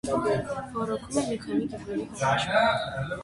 Ոռոգում է մի քանի գյուղերի հողեր։